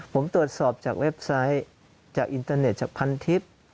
ผมตรวจสอบจากเว็บไซต์จากอินเตอร์เน็ตจากพันทิพย์